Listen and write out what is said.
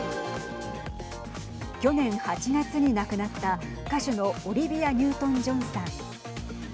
去年８月に亡くなった歌手のオリビア・ニュートンジョンさん。